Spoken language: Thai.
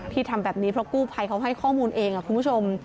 ทำแบบนี้เพราะกู้ภัยเขาให้ข้อมูลเองคุณผู้ชม